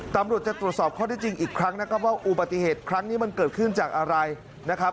ตำรวจจะตรวจสอบข้อได้จริงอีกครั้งนะครับว่าอุบัติเหตุครั้งนี้มันเกิดขึ้นจากอะไรนะครับ